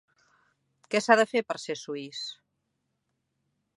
Què s'ha de fer per ser suís?